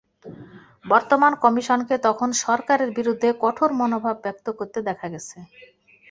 বর্তমান কমিশনকে তখন সরকারের বিরুদ্ধে কঠোর মনোভাব ব্যক্ত করতে দেখা গেছে।